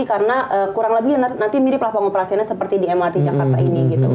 karena kurang lebih nanti mirip lah pengoperasiannya seperti di mrt jakarta ini gitu